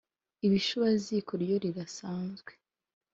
ibishubaziko ryo rirasanzwe,